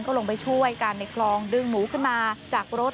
ก็ลงไปช่วยกันในคลองดึงหมูขึ้นมาจากรถ